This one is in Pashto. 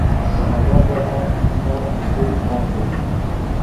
د ازاد بازار اقتصاد اصول کار کوي.